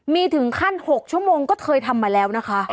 มีถึงขั้น๖ชั่วโมงก็เคยทำมาแล้วนะคะ